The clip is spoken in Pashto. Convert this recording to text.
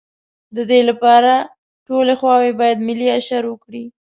د دې لپاره ټولې خواوې باید ملي اشر وکړي.